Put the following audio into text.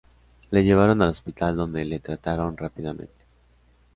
Le llevaron al hospital donde le trataron rápidamente.